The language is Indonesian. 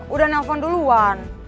udah nelpon duluan